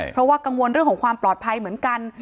เพราะว่ากังวลเรื่องของความปลอดภัยเหมือนกัน